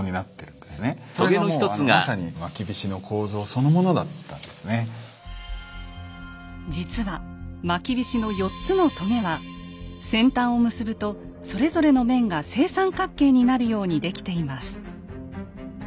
それがもうまさに実はまきびしの４つのとげは先端を結ぶとそれぞれの面が正三角形になるように出来ています。